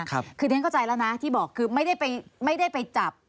คือเรียนเข้าใจแล้วนะที่บอกคือไม่ได้ไปจับ